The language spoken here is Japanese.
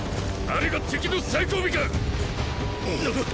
あれが敵の最後尾か⁉ん⁉敵だー！